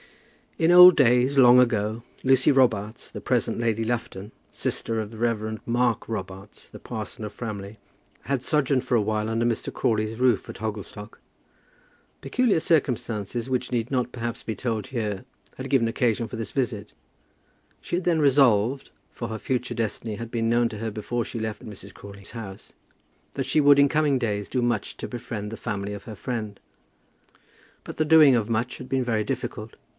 In old days, long ago, Lucy Robarts, the present Lady Lufton, sister of the Rev. Mark Robarts, the parson of Framley, had sojourned for a while under Mr. Crawley's roof at Hogglestock. Peculiar circumstances, which need not, perhaps, be told here, had given occasion for this visit. She had then resolved, for her future destiny had been known to her before she left Mrs. Crawley's house, that she would in coming days do much to befriend the family of her friend; but the doing of much had been very difficult.